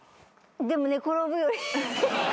でも寝転ぶより。